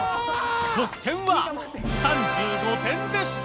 得点は３５点でした。